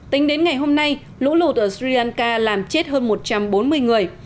tính đến ngày hôm nay lũ lụt ở sri lanka làm chết hơn một trăm bốn mươi người